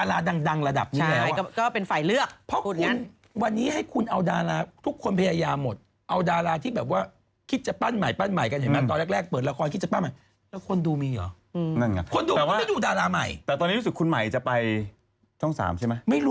บางคนก็บอกว่าคุณน้องอโนชาเป็นบีชัด